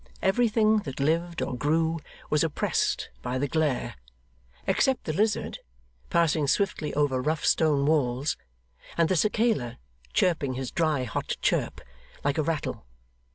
Everything that lived or grew, was oppressed by the glare; except the lizard, passing swiftly over rough stone walls, and the cicala, chirping his dry hot chirp, like a rattle.